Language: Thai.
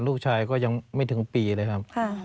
ลูกชายก็ยังไม่ถึงปีเลยครับ